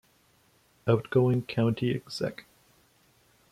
Outgoing County Exec.